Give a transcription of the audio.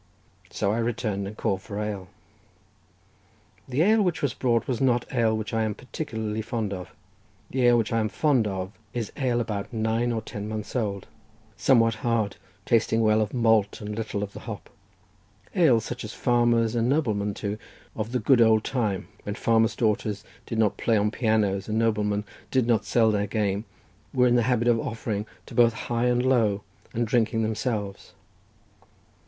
So I returned and called for ale. The ale which was brought was not ale which I am particularly fond of. The ale which I am fond of is ale about nine or ten months old, somewhat hard, tasting well of the malt and little of the hop—ale such as farmers, and noblemen too, of the good old time, when farmers' daughters did not play on pianos and noblemen did not sell their game, were in the habit of offering to both high and low, and drinking themselves.